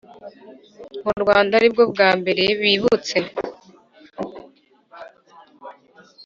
mu Rwanda ari bwo bwmabere bibutse